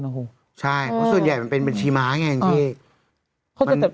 ใช่เพราะส่วนใหญ่มันเป็อยังเป็นเชียร์มะแง่เป็นเชฟ